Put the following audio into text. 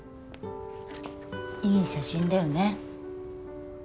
いい写真だよね。